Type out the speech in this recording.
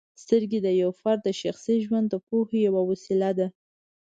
سترګې د یو فرد د شخصي ژوند د پوهې یوه وسیله ده.